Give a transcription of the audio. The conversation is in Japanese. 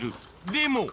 でも。